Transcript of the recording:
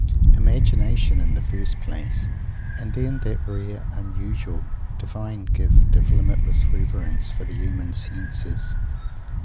Imagination, in the first place, and then that rare, unusual, divine gift of limitless Reverence for the Human Senses.